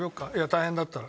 大変だったら。